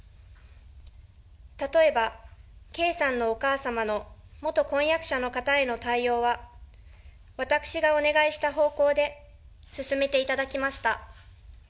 例えば圭さんのお母様の元婚約者の方への対応は、私がお願いした方向で進めていただきました。